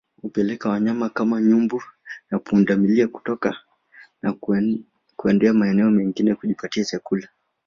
Hupelekea wanyama kama nyumbu na pundamilia kutoka na kuenda maeneo mengine kujipatia chakula